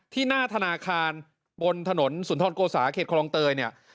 ที่หน้าทนาคารบนถนนสุนทรโกศาเกรกษลองเตย